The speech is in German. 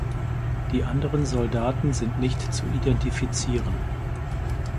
Die anderen Soldaten sind nicht zu identifizieren.